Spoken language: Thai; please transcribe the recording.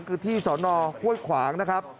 คือที่สอนอห้วยขวางนะครับ